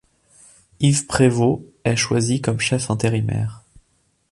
Yves Prévost est choisi comme chef intérimaire.